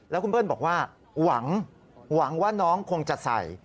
แล้วคุณเบิ้ลบอกว่าหวังหวังว่าน้องคงจะใส่